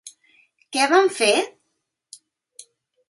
Què van a fer?